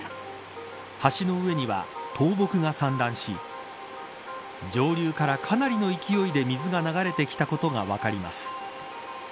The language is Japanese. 橋の上には倒木が散乱し上流からかなりの勢いで水が流れてきたことが分かります。